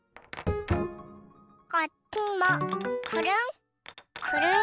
こっちもくるんくるん。